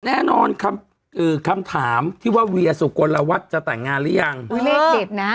แน่นอนคำเอ่อคำถามที่ว่าเวียสุกลวัฒน์จะแต่งงานหรือยังอุ้ยเลขเด็ดนะ